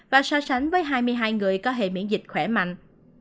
và so sánh với hai mươi hai người có hệ miễn dịch khỏe mạnh